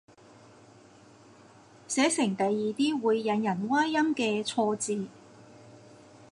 寫成第二啲會引人歪音嘅錯字